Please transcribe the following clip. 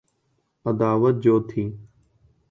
عداوت جو تھی۔